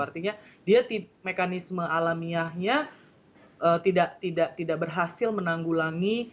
artinya dia mekanisme alamiahnya tidak berhasil menanggulangi